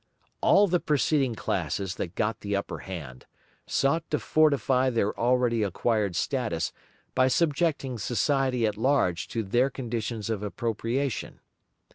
All the preceding classes that got the upper hand, sought to fortify their already acquired status by subjecting society at large to their conditions of appropriation.